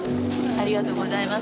ありがとうございます。